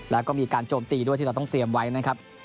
แล้วก็มีการโจมตีด้วยที่เราต้องเตรียมไว้นะครับ